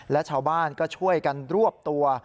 และชาวบ้านก็ช่วยกันรวบตัว